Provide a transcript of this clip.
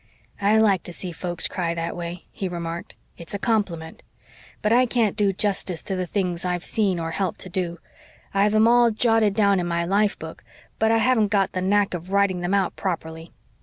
"I like to see folks cry that way," he remarked. "It's a compliment. But I can't do justice to the things I've seen or helped to do. I've 'em all jotted down in my life book, but I haven't got the knack of writing them out properly.